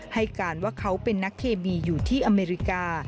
ให้การว่าเขาเป็นนักเคมีอยู่ที่อเมริกา